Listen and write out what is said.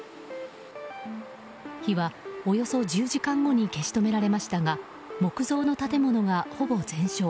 火は、およそ１０時間後に消し止められましたが木造の建物がほぼ全焼。